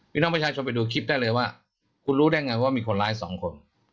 พี่น้องประชาชนไปดูคลิปได้เลยว่าคุณรู้ได้ไงว่ามีคนร้ายสองคน